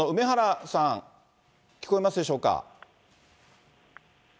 雨宮さん、聞こえますでしょうか。